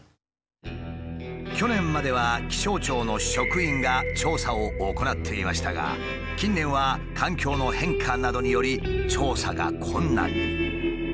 去年までは気象庁の職員が調査を行っていましたが近年は環境の変化などにより調査が困難に。